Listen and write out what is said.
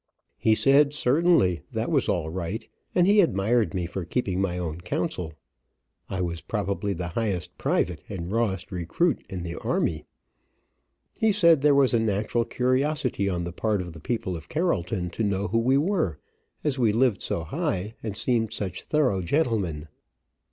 He said certainly, that was all right, and he admired me for keeping my own counsel. (I was probably the highest private and rawest recruit in the army.) He said there was a natural curiosity on the part of the people of Carrollton to know who we were, as we lived so high, and seemed such thorough gentlemen.